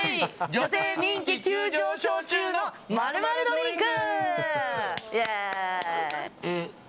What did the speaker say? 女性人気急上昇中の○○ドリンク！